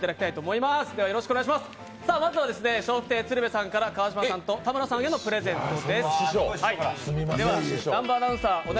まずは笑福亭鶴瓶さんから川島さん、田村さんへプレゼントです。